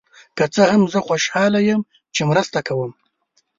که څه هم، زه خوشحال یم چې مرسته کوم.